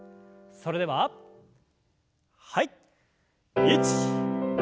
それでははい。